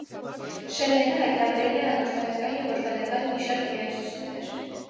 Շելլենը հայտնաբերել է անօրգանական և օրգանական մի շարք միացություններ։